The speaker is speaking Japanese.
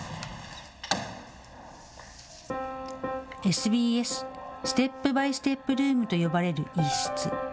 ＳＢＳ、ステップ・バイ・ステップルームと呼ばれる一室。